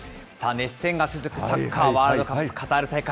熱戦が続くサッカーワールドカップカタール大会。